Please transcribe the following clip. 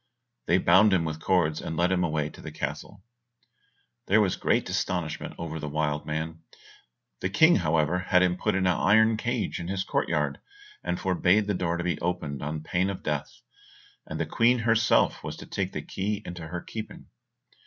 They bound him with cords, and led him away to the castle. There was great astonishment over the wild man; the King, however, had him put in an iron cage in his court yard, and forbade the door to be opened on pain of death, and the Queen herself was to take the key into her keeping.